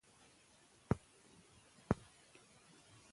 ټولنیزې رسنۍ کولی شي مثبت معلومات ورکړي.